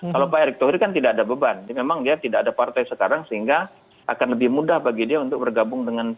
kalau pak erick thohir kan tidak ada beban memang dia tidak ada partai sekarang sehingga akan lebih mudah bagi dia untuk bergabung dengan p tiga